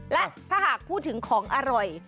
และถ้าหากพูดถึงของอร่อย